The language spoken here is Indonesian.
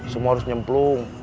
semua harus nyemplung